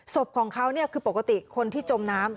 ศพของเขาคือปกติคนที่จมน้ำ